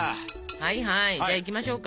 はいはいじゃあいきましょうか。